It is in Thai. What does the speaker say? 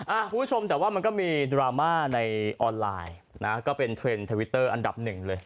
คุณผู้ชมแต่ว่ามันก็มีดราม่าในออนไลน์นะก็เป็นเทรนด์ทวิตเตอร์อันดับหนึ่งเลย